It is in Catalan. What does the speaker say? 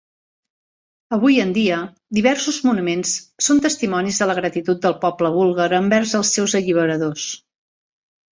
Avui en dia, diversos monuments són testimonis de la gratitud del poble búlgar envers els seus alliberadors.